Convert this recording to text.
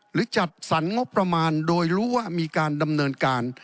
หรือจัดสรรงบประมาณโดยรู้ว่ามีการดำเนินการ